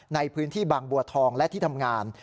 ในพื้นที่บางบัวทองและที่ทำงาน